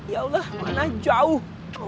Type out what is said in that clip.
ya allah mana jauh